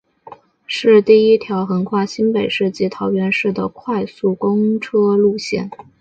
是第一条横跨新北市及桃园市的快速公车路线。